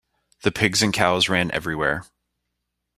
The pigs and cows ran everywhere.